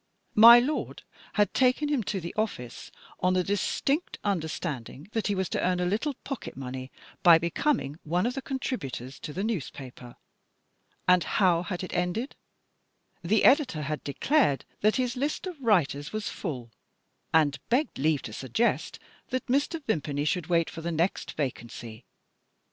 My lord had taken him to the office, on the distinct understanding that he was to earn a little pocket money by becoming one of the contributors to the newspaper. And how had it ended? The editor had declared that his list of writers was full, and begged leave to suggest that Mr. Vimpany should wait for the next vacancy.